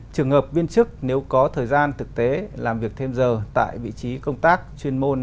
trường hợp viên chức nếu có thời gian thực tế làm việc thêm giờ tại vị trí công tác chuyên môn